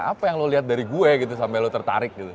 apa yang lo liat dari gue gitu sampe lo tertarik gitu